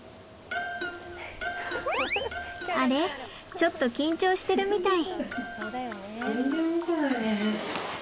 ちょっと緊張してるみたい。